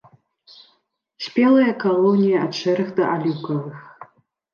Спелыя калоніі ад шэрых да аліўкавых.